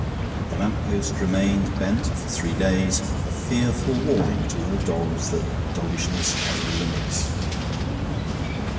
The lamp post remained bent for three days a fearful warning to all dogs that doggishness has limits.